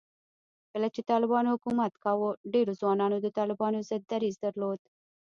کله چې طالبانو حکومت کاوه، ډېرو ځوانانو د طالبانو ضد دریځ درلود